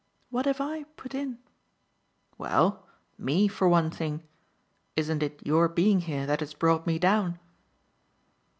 What have I put in?" "Well ME, for one thing. Isn't it your being here that has brought me down?"